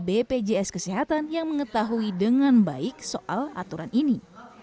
bpjs kesehatan yang mengetahui dengan baik soal aturan ini